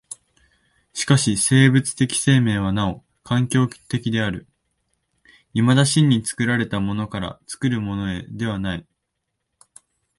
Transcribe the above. しかし生物的生命はなお環境的である、いまだ真に作られたものから作るものへではない。